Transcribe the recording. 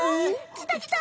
きたきた。